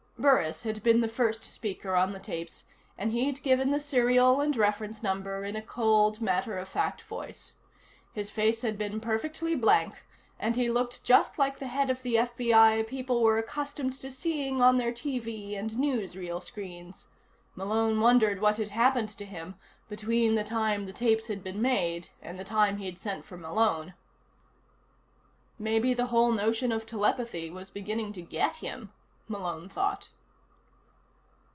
Burris had been the first speaker on the tapes, and he'd given the serial and reference number in a cold, matter of fact voice. His face had been perfectly blank, and he looked just like the head of the FBI people were accustomed to seeing on their TV and newsreel screens. Malone wondered what had happened to him between the time the tapes had been made and the time he'd sent for Malone. Maybe the whole notion of telepathy was beginning to get him, Malone thought.